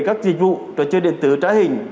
các dịch vụ tòa chơi điện tử trái hình